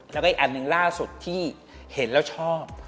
แล้วก็อีกอันหนึ่งล่าสุดที่เห็นแล้วชอบ